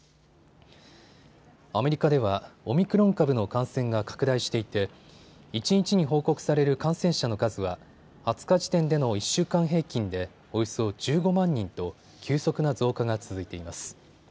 アメリカではオミクロン株の感染が拡大していて一日に報告される感染者の数は２０日時点での１週間平均でおよそ１５万人と急速な増加が続いています。